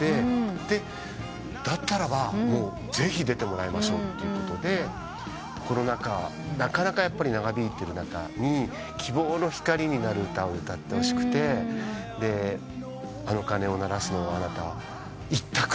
だったらばぜひ出てもらいましょうとコロナ禍なかなか長引いてる中に希望の光になる歌を歌ってほしくて『あの鐘を鳴らすのはあなた』一択で。